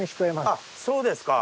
あっそうですか。